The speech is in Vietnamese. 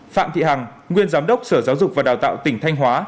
phạm thị hằng nguyên giám đốc sở giáo dục và đào tạo tỉnh thanh hóa